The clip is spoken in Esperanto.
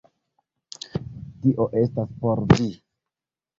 Tio estas por vi!